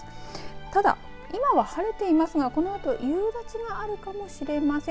ただ今は晴れていますがこのあと夕立があるかもしれません。